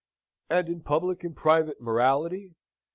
And in public and private morality?